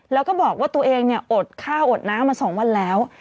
แล้วก็บอกว่าตัวเองเนี่ยอดข้าวอดน้ำมา๒วันแล้ว